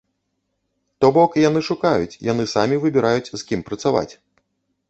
То бок, яны шукаюць, яны самі выбіраюць, з кім працаваць.